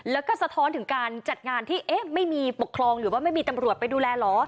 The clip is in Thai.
แล้วก็สะท้อนถึงการจัดงานที่ไม่มีปกครองหรือว่าไม่มีตำรวจไปดูแลเหรอ